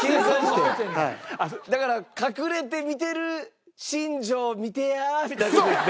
だから「隠れて見てる新庄見てや」みたいな事ですね？